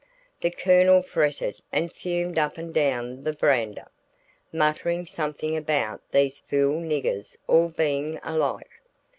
The Colonel fretted and fumed up and down the veranda, muttering something about these fool niggers all being alike.